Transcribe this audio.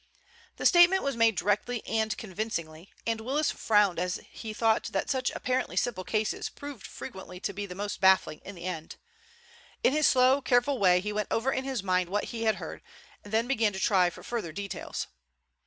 The statement was made directly and convincingly, and Willis frowned as he thought that such apparently simple cases proved frequently to be the most baffling in the end. In his slow, careful way he went over in his mind what he had heard, and then began to try for further details.